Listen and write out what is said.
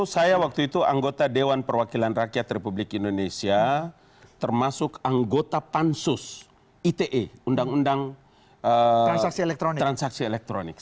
saya waktu itu anggota dewan perwakilan rakyat republik indonesia termasuk anggota pansus ite undang undang transaksi elektronik